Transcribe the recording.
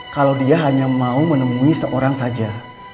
kalau dia hanya mau menemui seorang saja